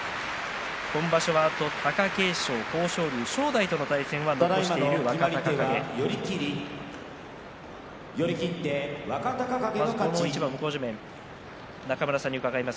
今場所は、あと貴景勝、豊昇龍正代との対戦を残している若隆景です。